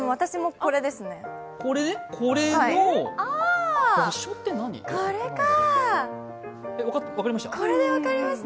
これで分かりました。